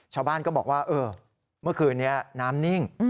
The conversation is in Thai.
ชาวบ้านก็บอกว่าเออเมื่อคืนนี้น้ำนิ่ง